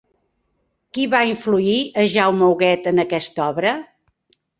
Qui va influir a Jaume Huguet en aquest obra?